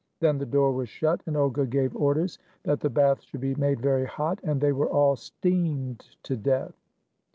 Then the door was shut, and Olga gave orders that the bath should be made very hot, and they were all steamed to death.